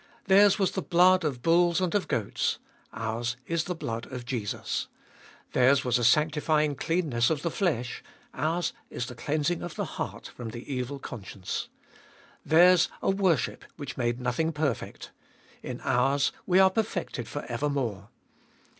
Theirs was the blood of bulls and of goats, ours is the blood of Jesus. Theirs was a sanctifying cleanness of the flesh ; ours is the cleans ing of the heart from the evil conscience. Theirs a worship which made nothing perfect ; in ours we are perfected for ever more.